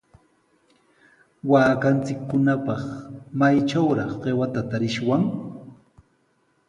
Waakanchikkunapaq, ¿maytrawraq qiwata tarishwan?